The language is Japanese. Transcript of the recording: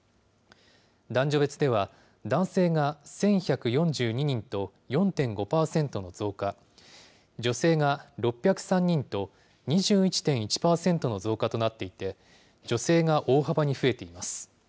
男女別では、男性が１１４２人と４．５％の増加、女性が６０３人と、２１．１％の増加となっていて、女性が大幅に増えています。